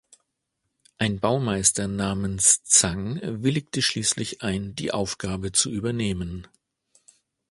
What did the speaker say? Ein Baumeister namens Zhang willigte schließlich ein, die Aufgabe zu übernehmen.